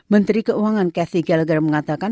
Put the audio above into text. menteri keuangan kathy gallagher mengatakan